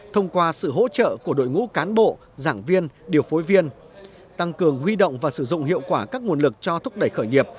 thông qua sự hỗ trợ của đội ngũ cán bộ giảng viên điều phối viên tăng cường huy động và sử dụng hiệu quả các nguồn lực cho thúc đẩy khởi nghiệp